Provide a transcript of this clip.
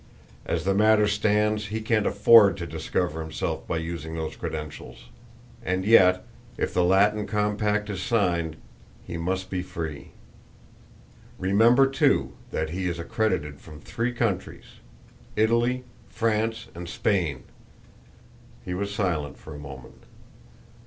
As the matter stands he can't afford to discover himself by using those credentials, and yet, if the Latin compact is signed, he must be free. Remember, too, that he is accredited from three countries Italy, France and Spain." He was silent for a moment.